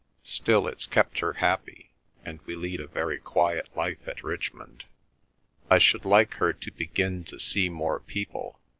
Still, it's kept her happy, and we lead a very quiet life at Richmond. I should like her to begin to see more people.